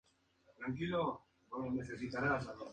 Su garganta, y el centro del pecho y vientre son blancos.